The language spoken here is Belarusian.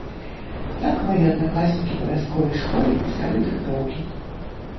Так мае аднакласнікі па вясковай школе пісалі дыктоўкі.